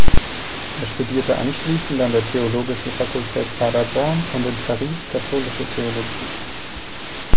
Er studierte anschließend an der Theologischen Fakultät Paderborn und in Paris katholische Theologie.